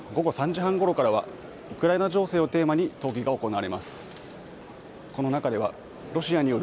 続いて午後３時半ごろからはウクライナ情勢をテーマに討議が行われます。